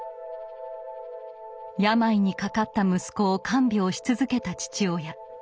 病にかかった息子を看病し続けた父親。